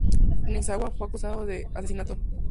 Nishizawa fue acusado de asesinato.